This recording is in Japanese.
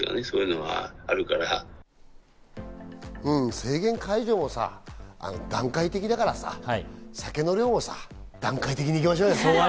制限解除もさ、段階的だからさ、酒の量もさ、段階的に行きましょうよ。